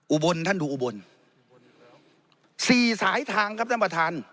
อุบลท่านดูอุบลสี่สายทางครับท่านประธาน